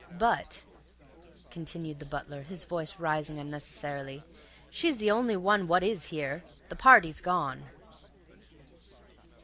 "But," continued the butler, his voice rising unnecessarily, "she's the only one what is here. The party's gone."